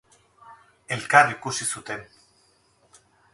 Elkar ikusi zuten.